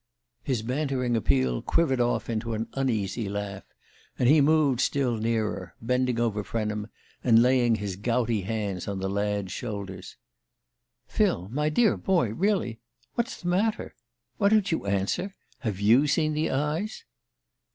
His bantering appeal quivered off into an uneasy laugh, and he moved still nearer, bending over Frenham, and laying his gouty hands on the lad's shoulders. "Phil, my dear boy, really what's the matter? Why don't you answer? Have you seen the eyes?"